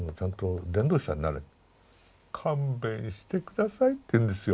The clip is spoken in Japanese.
勘弁して下さいって言うんですよ。